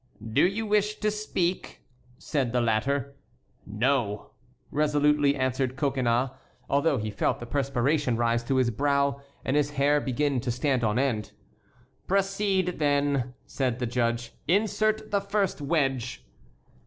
"Do you wish to speak?" said the latter. "No," resolutely answered Coconnas, although he felt the perspiration rise to his brow and his hair begin to stand on end. "Proceed, then," said the judge. "Insert the first wedge."